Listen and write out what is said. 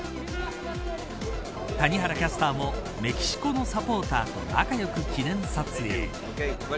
谷原キャスターもメキシコのサポーターと仲良く記念撮影。